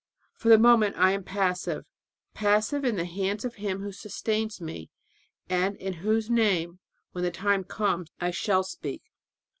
For the moment I am passive passive in the hands of Him who sustains me, and in whose name when the time comes I shall speak."